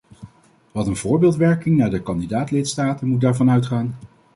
Wat een voorbeeldwerking naar de kandidaat-lidstaten moet daarvan uitgaan?